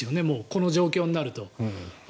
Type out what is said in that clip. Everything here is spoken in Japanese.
この状況になると。